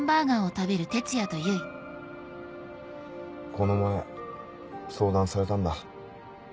この前相談されたんだ。